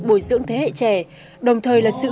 bồi dưỡng thế hệ trẻ đồng thời là sự